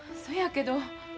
そやけど。